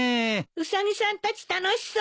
ウサギさんたち楽しそう。